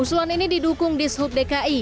usulan ini didukung di sub dki